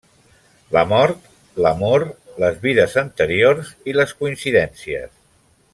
La mort, l'amor, les vides anteriors i les coincidències.